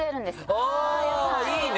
あぁいいね！